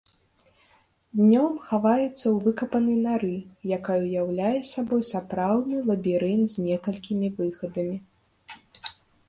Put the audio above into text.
Днём хаваецца ў выкапанай нары, якая ўяўляе сабой сапраўдны лабірынт з некалькімі выхадамі.